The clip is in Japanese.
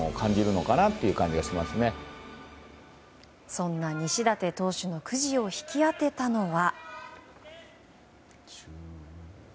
そんな西舘投手のくじを引き当てたのは。